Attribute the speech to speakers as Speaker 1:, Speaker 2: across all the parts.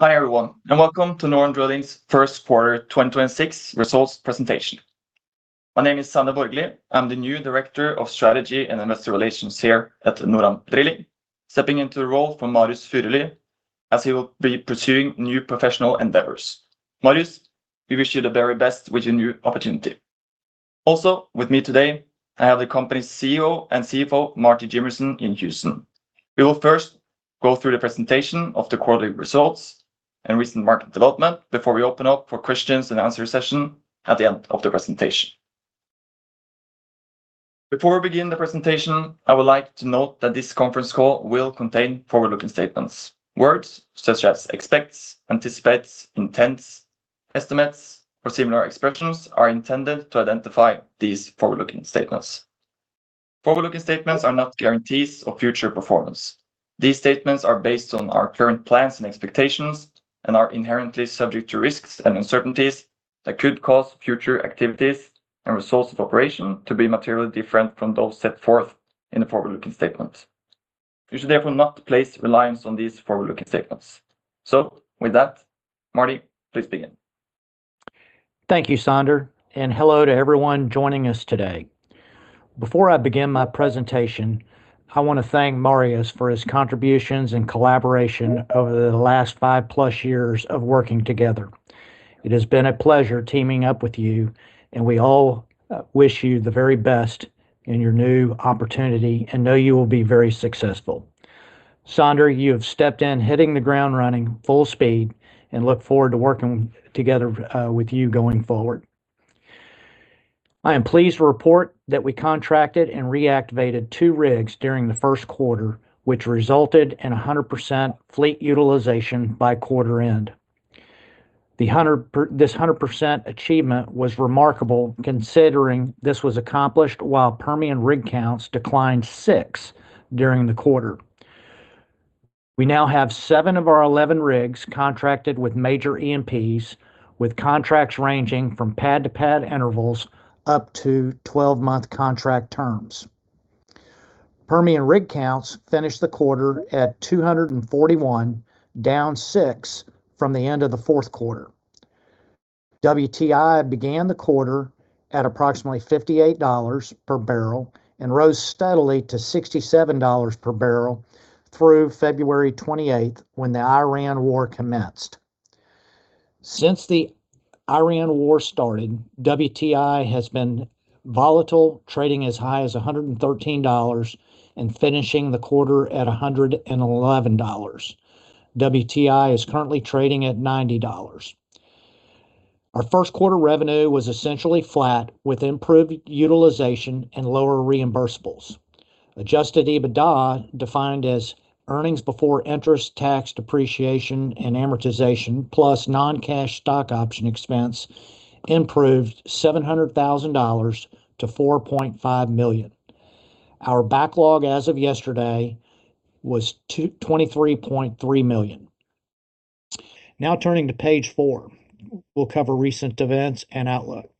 Speaker 1: Hi everyone, welcome to NorAm Drilling's first quarter 2026 results presentation. My name is Sander Borgli. I'm the new Director of Strategy and Investor Relations here at NorAm Drilling, stepping into the role from Marius Furuly, as he will be pursuing new professional endeavors. Marius, we wish you the very best with your new opportunity. Also, with me today, I have the company's CEO and CFO, Marty Jimmerson, in Houston. We will first go through the presentation of the quarterly results and recent market development before we open up for questions and answer session at the end of the presentation. Before we begin the presentation, I would like to note that this conference call will contain forward-looking statements. Words such as expects, anticipates, intends, estimates, or similar expressions are intended to identify these forward-looking statements. Forward-looking statements are not guarantees of future performance. These statements are based on our current plans and expectations and are inherently subject to risks and uncertainties that could cause future activities and results of operation to be materially different from those set forth in the forward-looking statements. You should therefore not place reliance on these forward-looking statements. With that, Marty, please begin.
Speaker 2: Thank you, Sander, and hello to everyone joining us today. Before I begin my presentation, I want to thank Marius for his contributions and collaboration over the last 5+ years of working together. It has been a pleasure teaming up with you, and we all wish you the very best in your new opportunity and know you will be very successful. Sander, you have stepped in, hitting the ground running full speed, and look forward to working together with you going forward. I am pleased to report that we contracted and reactivated two rigs during the first quarter, which resulted in 100% fleet utilization by quarter end. This 100% achievement was remarkable considering this was accomplished while Permian rig counts declined six during the quarter. We now have seven of our 11 rigs contracted with major E&P, with contracts ranging from pad-to-pad intervals up to 12-month contract terms. Permian rig counts finished the quarter at 241, down six from the end of the fourth quarter. WTI began the quarter at approximately $58/bbl and rose steadily to $67/bbl through February 28th, when the Iran war commenced. Since the Iran war started, WTI has been volatile, trading as high as $113 and finishing the quarter at $111. WTI is currently trading at $90. Our first quarter revenue was essentially flat, with improved utilization and lower reimbursables. Adjusted EBITDA, defined as earnings before interest, tax, depreciation, and amortization, plus non-cash stock option expense, improved $700,000 to $4.5 million. Our backlog as of yesterday was $23.3 million. Turning to page four, we'll cover recent events and outlook.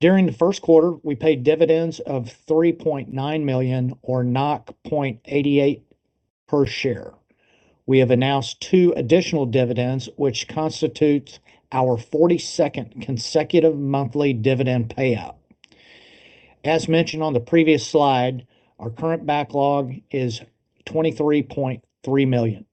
Speaker 2: During the first quarter, we paid dividends of $3.9 million, or 0.88 per share. We have announced two additional dividends, which constitutes our 42nd consecutive monthly dividend payout. As mentioned on the previous slide, our current backlog is $23.3 million.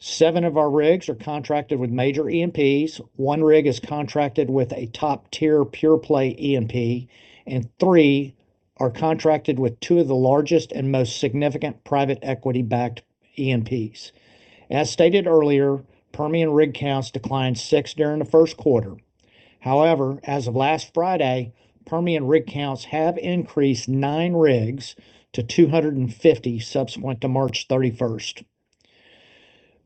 Speaker 2: Seven of our rigs are contracted with major E&P. One rig is contracted with a top-tier pure-play E&P, and three are contracted with two of the largest and most significant private equity-backed E&P. As stated earlier, Permian rig counts declined six during the first quarter. As of last Friday, Permian rig counts have increased nine rigs to 250 subsequent to March 31st.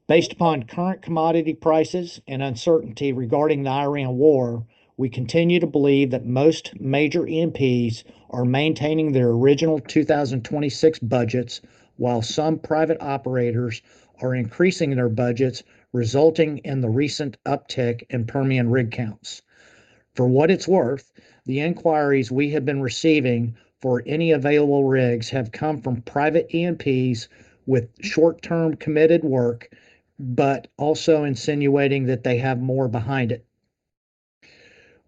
Speaker 2: Based upon current commodity prices and uncertainty regarding the Iran war, we continue to believe that most major E&P are maintaining their original 2026 budgets while some private operators are increasing their budgets, resulting in the recent uptick in Permian rig counts. For what it's worth, the inquiries we have been receiving for any available rigs have come from private E&P with short-term committed work, but also insinuating that they have more behind it.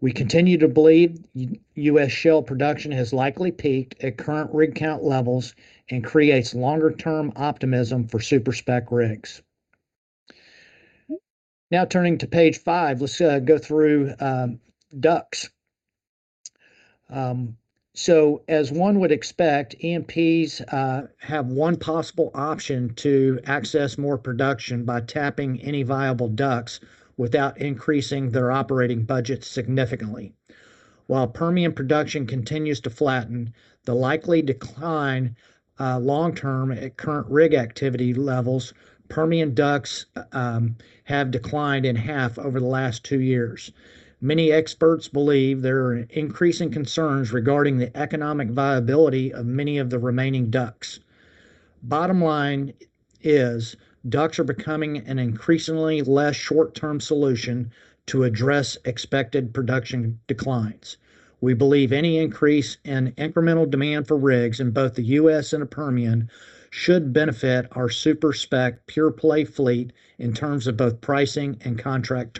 Speaker 2: We continue to believe U.S. shale production has likely peaked at current rig count levels and creates longer-term optimism for super-spec rigs. Now turning to page five, let's go through DUCs. As one would expect, E&P have one possible option to access more production by tapping any viable DUCs without increasing their operating budgets significantly. While Permian production continues to flatten, the likely decline long term at current rig activity levels, Permian DUCs have declined in half over the last two years. Many experts believe there are increasing concerns regarding the economic viability of many of the remaining DUCs. Bottom line is, DUCs are becoming an increasingly less short-term solution to address expected production declines. We believe any increase in incremental demand for rigs in both the U.S. and the Permian should benefit our super-spec pure-play fleet in terms of both pricing and contract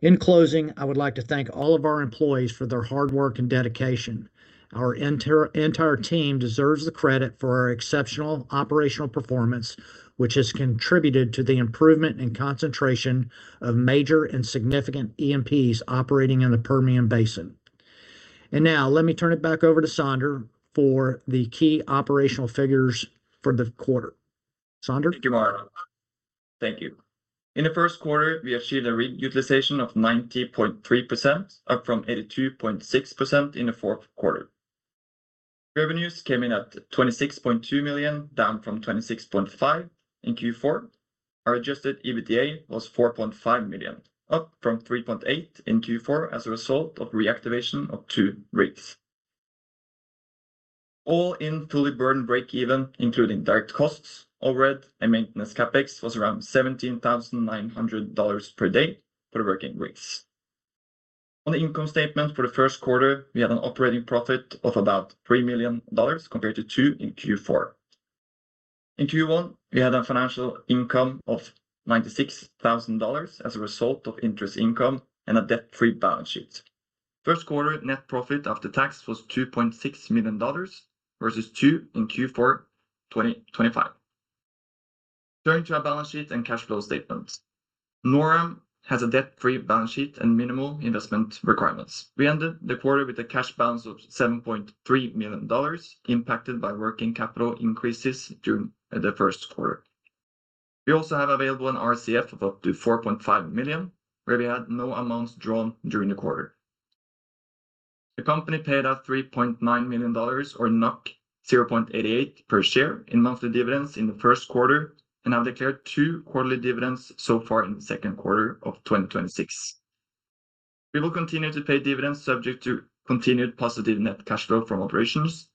Speaker 2: terms. In closing, I would like to thank all of our employees for their hard work and dedication. Our entire team deserves the credit for our exceptional operational performance, which has contributed to the improvement and concentration of major and significant E&P operating in the Permian Basin. Now let me turn it back over to Sander for the key operational figures for the quarter. Sander?
Speaker 1: Thank you, Marty. Thank you. In the first quarter, we achieved a rig utilization of 90.3%, up from 82.6% in the fourth quarter. Revenues came in at $26.2 million, down from $26.5 million in Q4. Our adjusted EBITDA was $4.5 million, up from $3.8 million in Q4 as a result of reactivation of two rigs. All-in fully burden break even, including direct costs, overhead, and maintenance CapEx was around $17,900 per day for the working rigs. On the income statement for the first quarter, we had an operating profit of about $3 million, compared to $2 million in Q4. In Q1, we had a financial income of $96,000 as a result of interest income and a debt-free balance sheet. First quarter net profit after tax was $2.6 million, versus $2 million in Q4 2025. Turning to our balance sheet and cash flow statements. NorAm has a debt-free balance sheet and minimal investment requirements. We ended the quarter with a cash balance of $7.3 million, impacted by working capital increases during the first quarter. We also have available an RCF of up to $4.5 million, where we had no amounts drawn during the quarter. The company paid out $3.9 million or 0.88 per share in monthly dividends in the first quarter, and have declared two quarterly dividends so far in the second quarter of 2026. We will continue to pay dividends subject to continued positive net cash flow from operations.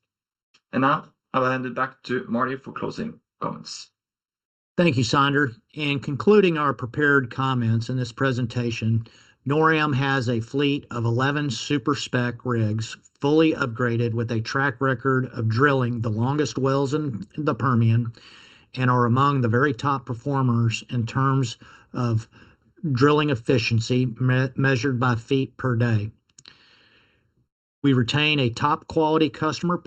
Speaker 1: Now, I will hand it back to Marty for closing comments.
Speaker 2: Thank you, Sander. In concluding our prepared comments in this presentation, NorAm has a fleet of 11 super-spec rigs, fully upgraded with a track record of drilling the longest wells in the Permian, and are among the very top performers in terms of drilling efficiency measured by feet per day. We retain a top-quality customer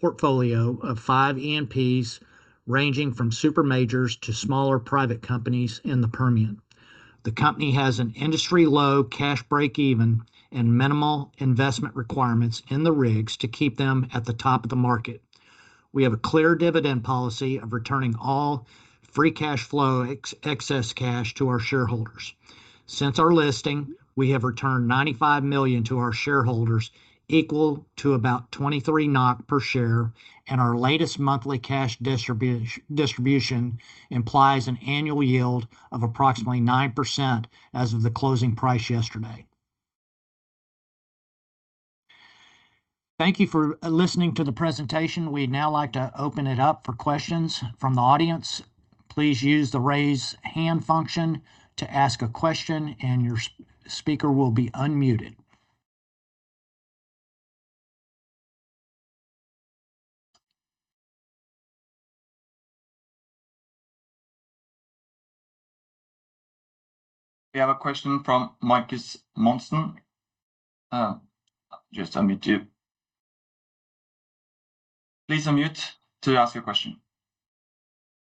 Speaker 2: portfolio of five E&P ranging from super majors to smaller private companies in the Permian. The company has an industry-low cash break even and minimal investment requirements in the rigs to keep them at the top of the market. We have a clear dividend policy of returning all free cash flow excess cash to our shareholders. Since our listing, we have returned $95 million to our shareholders, equal to about 23 NOK per share, and our latest monthly cash distribution implies an annual yield of approximately 9% as of the closing price yesterday. Thank you for listening to the presentation. We'd now like to open it up for questions from the audience. Please use the raise hand function to ask a question, and your speaker will be unmuted.
Speaker 1: We have a question from Marcus Monsen. I'll just unmute you. Please unmute to ask your question.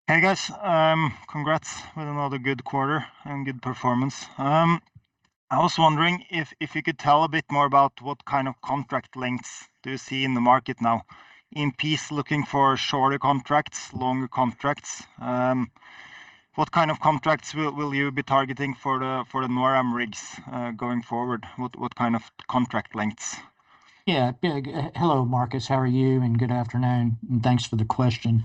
Speaker 3: Hey, guys. Congrats with another good quarter and good performance. I was wondering if you could tell a bit more about what kind of contract lengths do you see in the market now. E&P looking for shorter contracts, longer contracts. What kind of contracts will you be targeting for the NorAm rigs, going forward? What kind of contract lengths?
Speaker 2: Hello, Marcus. How are you, and good afternoon, and thanks for the question.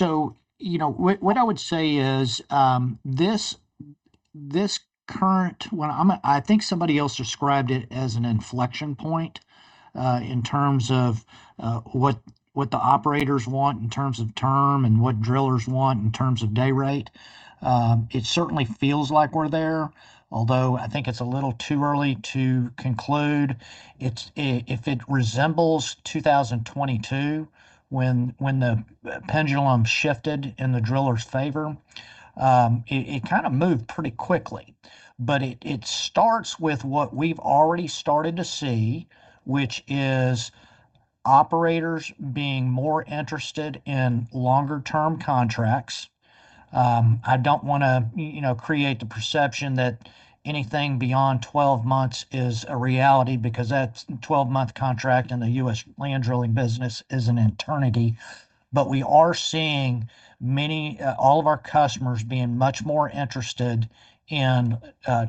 Speaker 2: What I would say is, this current one, I think somebody else described it as an inflection point, in terms of what the operators want in terms of term and what drillers want in terms of day rate. It certainly feels like we're there, although I think it's a little too early to conclude. If it resembles 2022, when the pendulum shifted in the drillers' favor, it kind of moved pretty quickly. It starts with what we've already started to see, which is operators being more interested in longer term contracts. I don't want to create the perception that anything beyond 12 months is a reality, because that 12-month contract in the U.S. land drilling business is an eternity. We are seeing all of our customers being much more interested in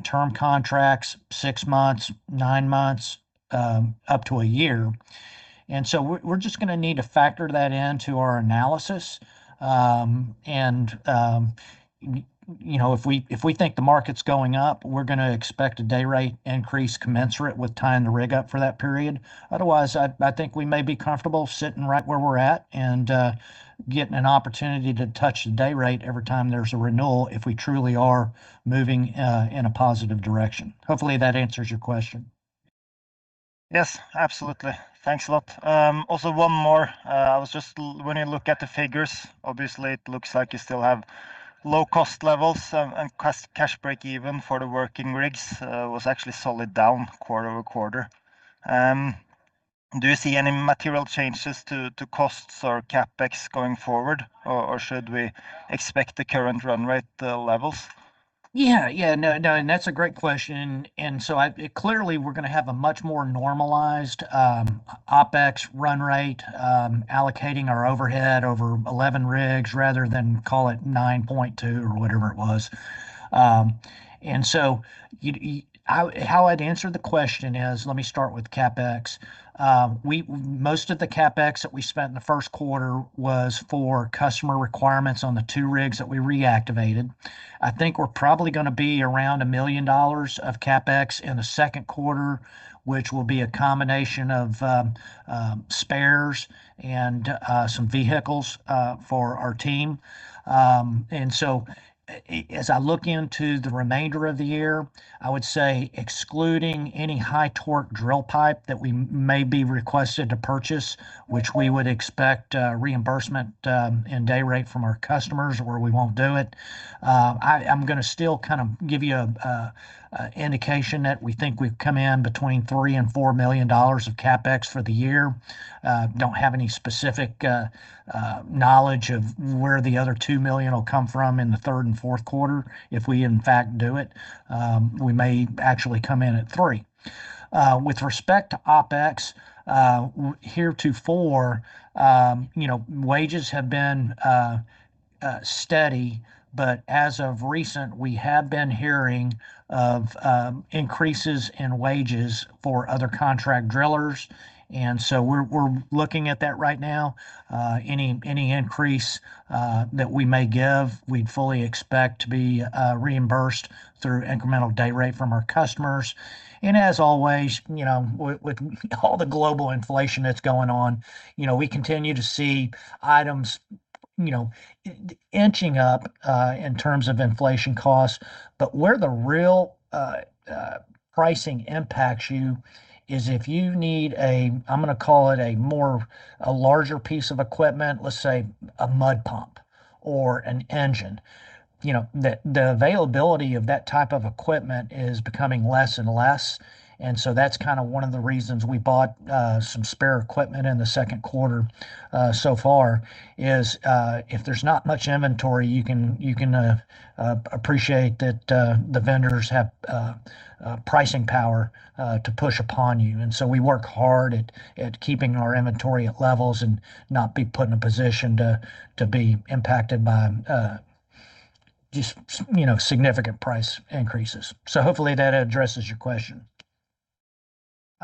Speaker 2: term contracts, six months, nine months, up to a year. We're just going to need to factor that into our analysis. If we think the market's going up, we're going to expect a day rate increase commensurate with tying the rig up for that period. Otherwise, I think we may be comfortable sitting right where we're at, and getting an opportunity to touch the day rate every time there's a renewal if we truly are moving in a positive direction. Hopefully, that answers your question.
Speaker 3: Yes, absolutely. Thanks a lot. One more. When you look at the figures, obviously it looks like you still have low cost levels and cash break-even for the working rigs was actually solid down quarter-over-quarter. Do you see any material changes to costs or CapEx going forward? Should we expect the current run rate levels?
Speaker 2: Yeah. No, that's a great question. Clearly we're going to have a much more normalized OpEx run rate, allocating our overhead over 11 rigs rather than call it 9.2 or whatever it was. How I'd answer the question is, let me start with CapEx. Most of the CapEx that we spent in the first quarter was for customer requirements on the two rigs that we reactivated. I think we're probably going to be around $1 million of CapEx in the second quarter, which will be a combination of spares and some vehicles for our team. As I look into the remainder of the year, I would say excluding any high-torque drill pipe that we may be requested to purchase, which we would expect reimbursement in day rate from our customers or we won't do it. I'm going to still give you an indication that we think we've come in between $3 million and $4 million of CapEx for the year. Don't have any specific knowledge of where the other $2 million will come from in the third and fourth quarter. If we in fact do it, we may actually come in at $3 million. With respect to OpEx, heretofore, wages have been steady, but as of recent, we have been hearing of increases in wages for other contract drillers, so we're looking at that right now. Any increase that we may give, we'd fully expect to be reimbursed through incremental day rate from our customers. As always, with all the global inflation that's going on, we continue to see items inching up, in terms of inflation costs. Where the real pricing impacts you is if you need a, I'm going to call it a larger piece of equipment, let's say a mud pump or an engine. The availability of that type of equipment is becoming less and less, that's one of the reasons we bought some spare equipment in the second quarter so far is, if there's not much inventory, you can appreciate that the vendors have pricing power to push upon you. We work hard at keeping our inventory at levels and not be put in a position to be impacted by just significant price increases. Hopefully that addresses your question.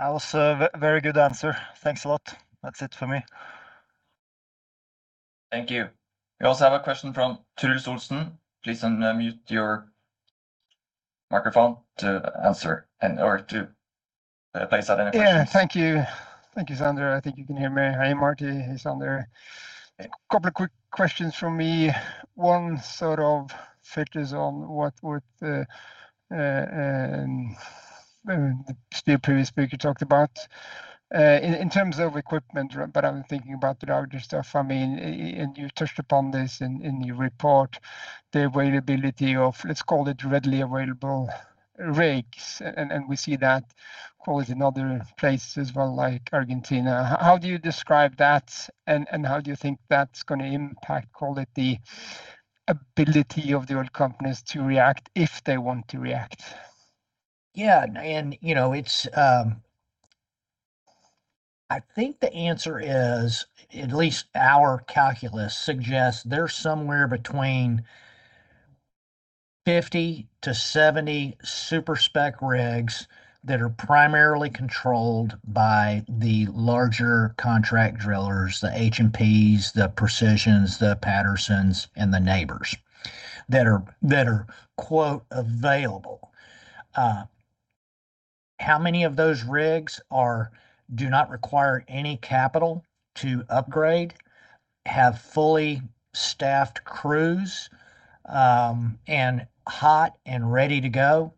Speaker 3: Also, very good answer. Thanks a lot. That's it from me.
Speaker 1: Thank you. We also have a question from Truls Olsen. Please unmute your microphone to answer and/or to place that in a question.
Speaker 4: Yeah. Thank you. Thank you, Sander. I think you can hear me. Hey, Marty. Hey, Sander. A couple of quick questions from me. One sort of filters on what the previous speaker talked about. In terms of equipment, but I'm thinking about the larger stuff. You touched upon this in the report, the availability of let's call it readily available rigs, and we see that call it in other places as well, like Argentina. How do you describe that, and how do you think that's going to impact call it the ability of the oil companies to react if they want to react?
Speaker 2: Yeah. I think the answer is, at least our calculus suggests there's somewhere between 50-70 super-spec rigs that are primarily controlled by the larger contract drillers, the H&Ps, the Precisions, the Pattersons, and the Nabors that are, quote, "available." How many of those rigs do not require any capital to upgrade, have fully staffed crews, and hot and ready to go?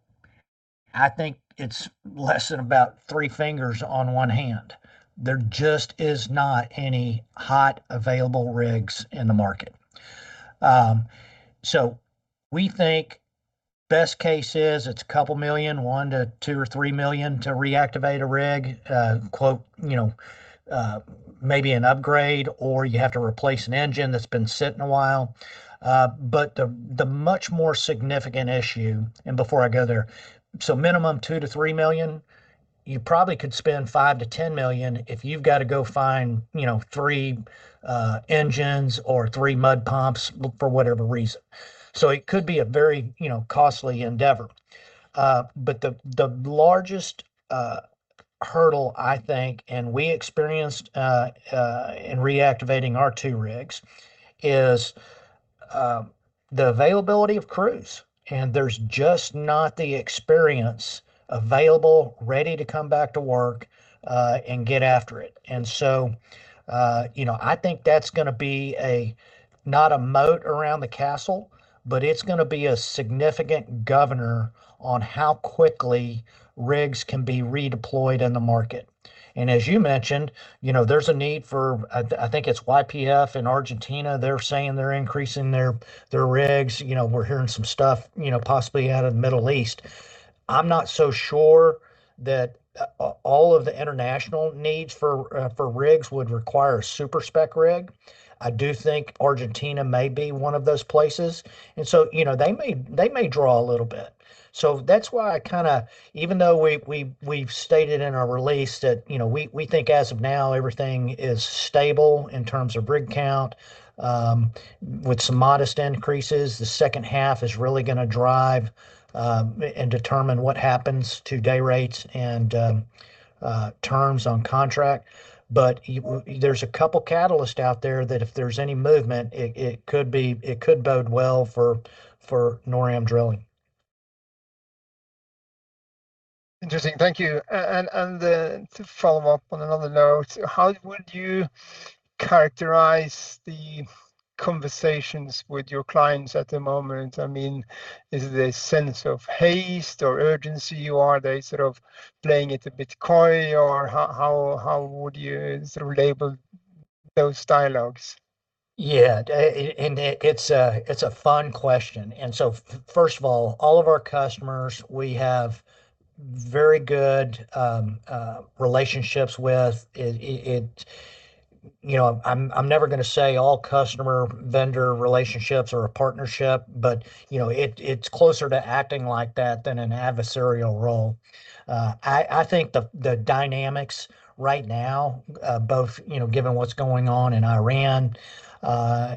Speaker 2: I think it's less than about three fingers on one hand. There just is not any hot, available rigs in the market. We think best case is it's a couple million, $1 million-$2 million or $3 million to reactivate a rig, quote, maybe an upgrade or you have to replace an engine that's been sitting a while. The much more significant issue, before I go there, minimum $2 million-$3 million, you probably could spend $5 million-$10 million if you've got to go find three engines or three mud pumps for whatever reason. It could be a very costly endeavor. The largest hurdle, I think, we experienced in reactivating our two rigs, is the availability of crews, there's just not the experience available, ready to come back to work and get after it. I think that's going to be not a moat around the castle, but it's going to be a significant governor on how quickly rigs can be redeployed in the market. As you mentioned, there's a need for, I think it's YPF in Argentina, they're saying they're increasing their rigs. We're hearing some stuff possibly out of the Middle East. I'm not so sure that all of the international needs for rigs would require a super-spec rig. I do think Argentina may be one of those places, and so they may draw a little bit. That's why even though we've stated in our release that we think as of now everything is stable in terms of rig count, with some modest increases, the second half is really going to drive and determine what happens to day rates and terms on contract. There's a couple catalysts out there that if there's any movement, it could bode well for NorAm Drilling.
Speaker 4: Interesting. Thank you. To follow up on another note, how would you characterize the conversations with your clients at the moment? Is it a sense of haste or urgency, or are they sort of playing it a bit coy, or how would you label those dialogues?
Speaker 2: Yeah. It's a fun question. First of all of our customers we have very good relationships with. I'm never going to say all customer-vendor relationships are a partnership, but it's closer to acting like that than an adversarial role. I think the dynamics right now, both given what's going on in Iran,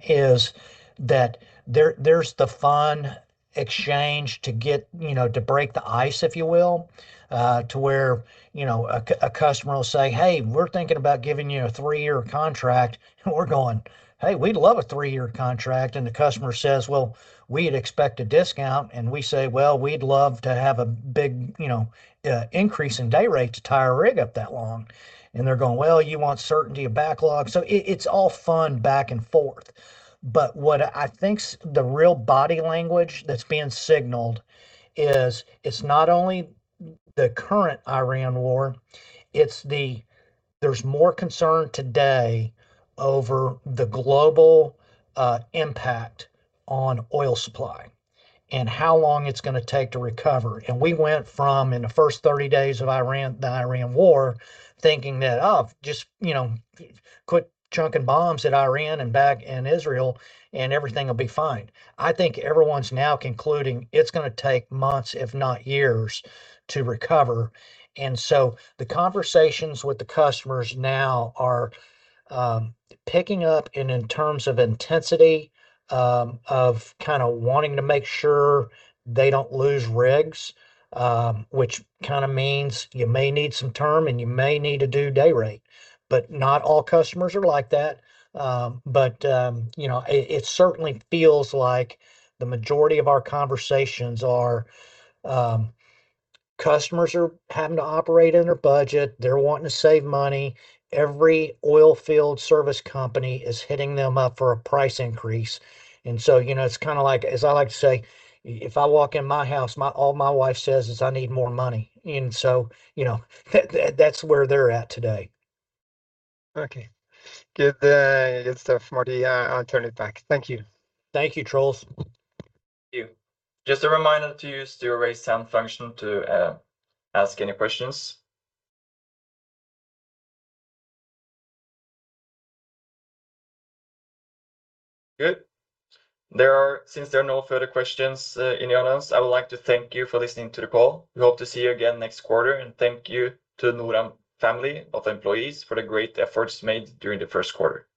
Speaker 2: is that there's the fun exchange to break the ice, if you will, to where a customer will say, "Hey, we're thinking about giving you a three-year contract." We're going, "Hey, we'd love a three-year contract." The customer says, "Well, we'd expect a discount." And we say, "Well, we'd love to have a big increase in day rate to tie a rig up that long." They're going, "Well, you want certainty of backlog." It's all fun back and forth. What I think the real body language that's being signaled is it's not only the current Iran war, it's there's more concern today over the global impact on oil supply and how long it's going to take to recover. We went from, in the first 30 days of the Iran war, thinking that, oh, just quit chunking bombs at Iran and back and Israel and everything will be fine. I think everyone's now concluding it's going to take months, if not years, to recover. The conversations with the customers now are picking up in terms of intensity, of wanting to make sure they don't lose rigs, which means you may need some term and you may need to do day rate. Not all customers are like that. It certainly feels like the majority of our conversations are customers are having to operate in their budget. They're wanting to save money. Every oilfield service company is hitting them up for a price increase. It's kind of like, as I like to say, if I walk in my house, all my wife says is I need more money. That's where they're at today.
Speaker 4: Okay. Good stuff, Marty. I'll turn it back. Thank you.
Speaker 2: Thank you, Truls.
Speaker 1: Thank you. Just a reminder to use the raise hand function to ask any questions. Good. Since there are no further questions in the audience, I would like to thank you for listening to the call. We hope to see you again next quarter. Thank you to the NorAm family of employees for the great efforts made during the first quarter.